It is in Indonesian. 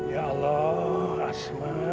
ya allah asma